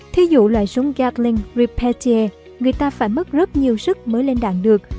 thí dụ loại súng gatling repertier người ta phải mất rất nhiều sức mới lên đạn được